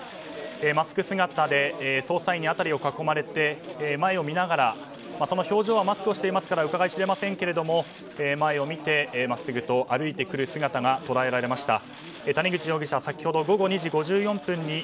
マスク姿で捜査員に辺りを囲まれて前を見ながら、その表情はマスクをしていますからうかがい知れませんが前を見て真っすぐと歩いてくる姿が捉えられました。